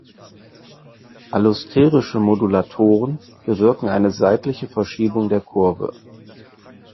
Allosterische Modulatoren bewirken eine seitliche Verschiebung der Kurve.